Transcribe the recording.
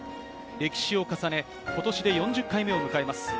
歴史を重ね、今年で４０回目を迎えます。